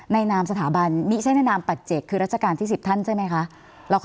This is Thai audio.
นามสถาบันมิใช้ในนามปัจเจกคือรัชกาลที่๑๐ท่านใช่ไหมคะ